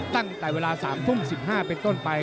ตั้งแต่เวลา๓ทุ่ม๑๕เป็นต้นไป